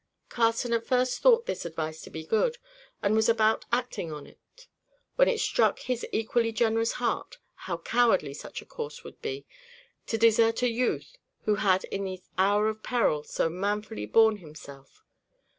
Carson at first thought this advice to be good, and was about acting on it, when it struck his equally generous heart, how cowardly such a course would be to desert a youth who had in the hour of peril so manfully borne himself.